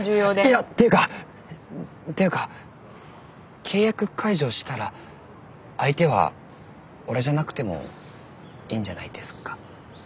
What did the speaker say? いやっていうかっていうか契約解除したら相手は俺じゃなくてもいいんじゃないですか？